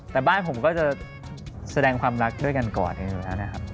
แต่บ้านผมก็จะแสดงความรักด้วยกันก่อนอยู่แล้วนะครับ